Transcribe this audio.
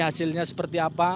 hasilnya seperti apa